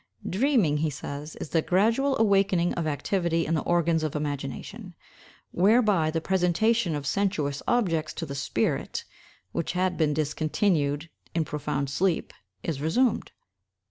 "Dreaming," he says, "is the gradual awakening of activity in the organs of imagination, whereby the presentation of sensuous objects to the spirit, which had been discontinued in profound sleep, is resumed.